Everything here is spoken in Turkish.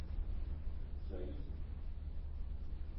Zayıfsın.